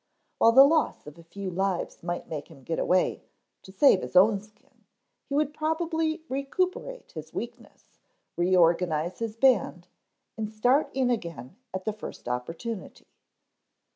While the loss of a few lives might make him get away, to save his own skin, he would probably recuperate his weakness, reorganize his band and start in again at the first opportunity.